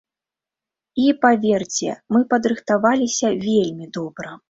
І, паверце, мы падрыхтаваліся вельмі добра.